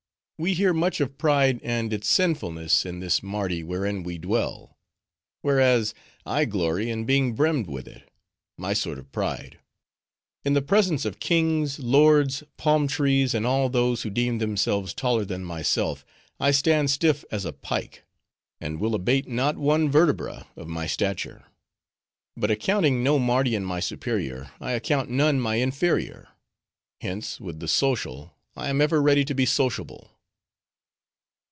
"We hear much of pride and its sinfulness in this Mardi wherein we dwell: whereas, I glory in being brimmed with it;—my sort of pride. In the presence of kings, lords, palm trees, and all those who deem themselves taller than myself, I stand stiff as a pike, and will abate not one vertebra of my stature. But accounting no Mardian my superior, I account none my inferior; hence, with the social, I am ever ready to be sociable."